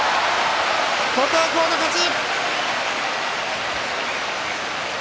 琴恵光の勝ち。